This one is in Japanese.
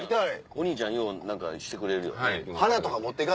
お兄ちゃんよう何かしてくれるよね。